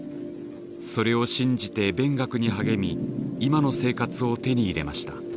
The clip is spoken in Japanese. それを信じて勉学に励み今の生活を手に入れました。